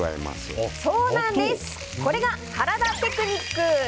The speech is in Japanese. これが原田テクニック。